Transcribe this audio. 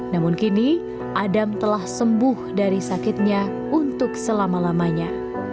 namun kini adam telah sembuh dari sakitnya untuk selama lamanya